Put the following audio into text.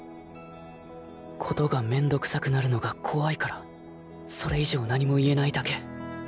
事がめんどくさくなるのがこわいからそれ以上何も言えないだけ